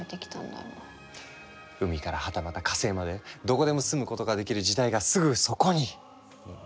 海からはたまた火星までどこでも住むことができる時代がすぐそこに！